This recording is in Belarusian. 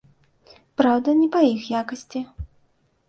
Праўда, не па іх якасці.